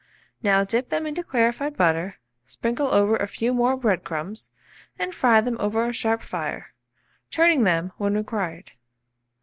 Now dip them into clarified butter, sprinkle over a few more bread crumbs, and fry them over a sharp fire, turning them when required.